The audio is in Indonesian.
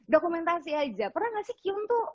dokumentasi aja pernah gak sih kium tuh